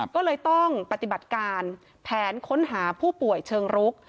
ก็เลยต้องปฏิบัติการแผนค้นหาผู้ป่วยเชิงรุก